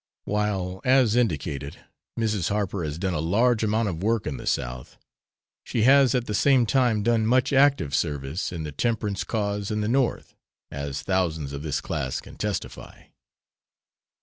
While, as indicated, Mrs. Harper has done a large amount of work in the South, she has at the same time done much active service in the temperance cause in the North, as thousands of this class can testify.